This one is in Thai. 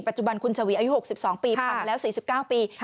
จุบันคุณชวีอายุ๖๒ปีผ่านมาแล้ว๔๙ปี